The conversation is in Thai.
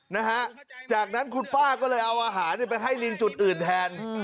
นะฮะจากนั้นคุณป้าก็เลยเอาอาหารไปให้ลิงจุดอื่นแทน